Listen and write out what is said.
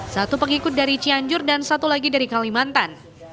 satu pengikut dari cianjur dan satu lagi dari kalimantan